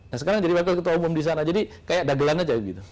nah sekarang jadi wakil ketua umum di sana jadi kayak dagelan aja gitu